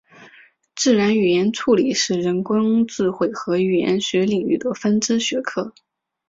自然语言处理是人工智慧和语言学领域的分支学科。